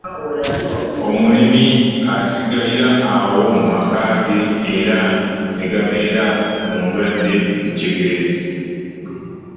Omulimi asigalira awo mu maka ge era ne gabeera mu ndwadde njereere.